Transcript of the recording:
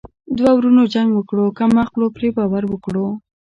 ـ دوه ورونو جنګ وکړو کم عقلو پري باور وکړو.